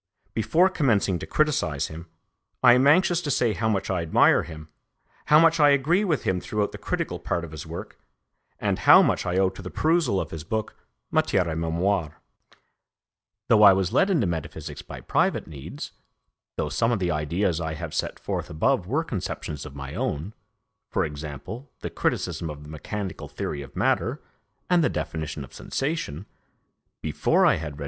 Before commencing to criticise him, I am anxious to say how much I admire him, how much I agree with him throughout the critical part of his work, and how much I owe to the perusal of his book, Matière et Mémoire. Though I was led into metaphysics by private needs, though some of the ideas I have set forth above were conceptions of my own (for example, the criticism of the mechanical theory of matter, and the definition of sensation), before I had read M.